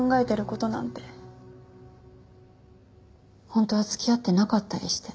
本当は付き合ってなかったりして。